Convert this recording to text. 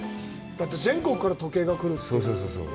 全国から時計が来るという。